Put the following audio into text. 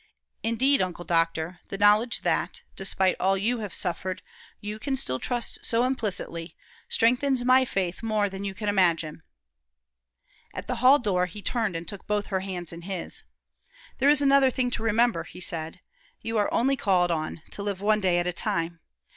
"Indeed, Uncle Doctor, the knowledge that, despite all you have suffered, you can still trust so implicitly, strengthens my faith more than you can imagine." At the hall door he turned and took both her hands in his: "There is another thing to remember," he said. "You are only called on to live one day at a time.